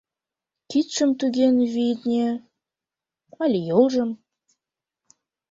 — Кидшым туген, витне, але йолжым.